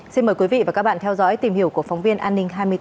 xin mời quý vị và các bạn theo dõi tìm hiểu của phóng viên an ninh hai mươi bốn h